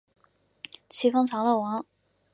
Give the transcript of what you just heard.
徙封长乐王。